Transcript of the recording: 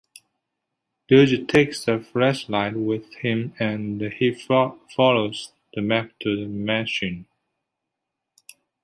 Luigi takes a flashlight with him and he follows the map to the mansion.